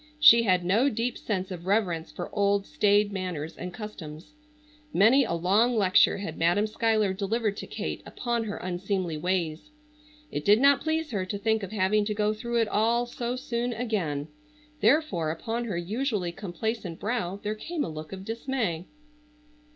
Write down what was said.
She had no deep sense of reverence for old, staid manners and customs. Many a long lecture had Madam Schuyler delivered to Kate upon her unseemly ways. It did not please her to think of having to go through it all so soon again, therefore upon her usually complacent brow there came a look of dismay.